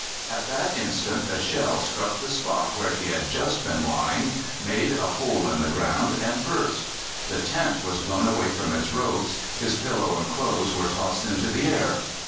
At that instant a shell struck the spot where he had just been lying, made a hole in the ground, and burst. The tent was blown away from its ropes, his pillow and clothes were tossed into the air.